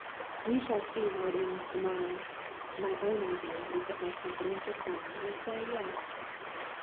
"We shall see how it ends to morrow. My own idea is that my confidential friend will say Yes."